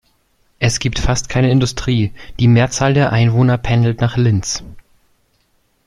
Es gibt fast keine Industrie, die Mehrzahl der Einwohner pendelt nach Linz.